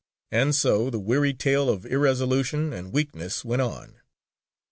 And so the weary tale of irresolution and weakness went on.